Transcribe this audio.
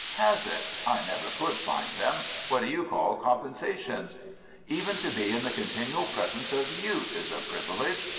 "Has it? I never could find them. What do you call compensations?" "Even to be in the continual presence of youth is a privilege.